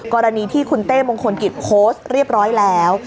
กรณีที่คุณเต้มงคลกิจโพสต์เรียบร้อยแล้ว